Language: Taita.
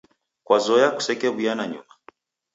Kazoya kusekew'uya nanyuma.